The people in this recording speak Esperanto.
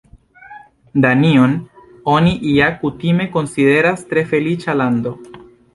Danion oni ja kutime konsideras tre feliĉa lando.